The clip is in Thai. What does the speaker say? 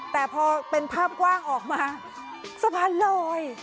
แต่พอเป็นภาพกว้างออกมาสะพานลอย